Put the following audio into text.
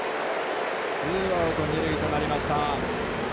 ツーアウト、二塁となりました。